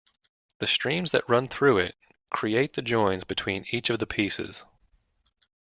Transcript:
The streams that run through it create the joins between each of the pieces.